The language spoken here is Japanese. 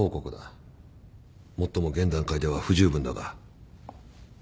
もっとも現段階では不十分だが。